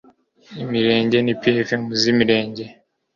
imirenge na pfm z imirenge